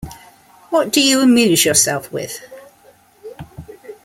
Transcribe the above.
What do you amuse yourself with?